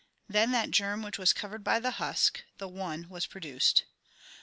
Then that germ which was covered by the husk, the One, was produced.